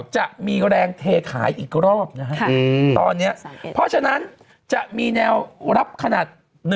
จะมีแรงเทขายอีกรอบนะฮะตอนนี้เพราะฉะนั้นจะมีแนวรับขนาด